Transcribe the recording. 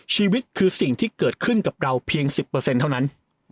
ชีวิตคือสิ่งที่เกิดขึ้นกับเราเพียง๑๐เท่านั้น